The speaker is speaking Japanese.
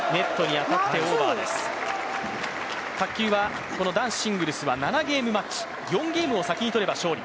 卓球はこの男子シングルスは７ゲームマッチ、４ゲームを先に取れば勝利。